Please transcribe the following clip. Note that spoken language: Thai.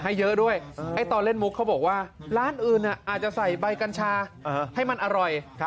ให้เยอะด้วยตอนเล่นมุกเขาบอกว่าร้านอื่นอาจจะใส่ใบกัญชาให้มันอร่อย